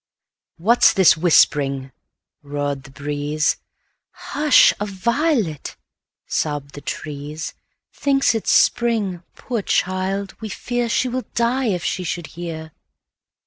"What 's this whispering?" roared the breeze;"Hush! a violet," sobbed the trees,"Thinks it 's spring,—poor child, we fearShe will die if she should hear!"